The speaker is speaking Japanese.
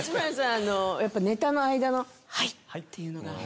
あのやっぱネタの間のはいっていうのが。